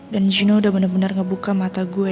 dan juno udah bener bener ngebuka mata gue